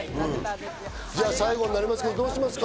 じゃあ最後になりますけど、どうしますか？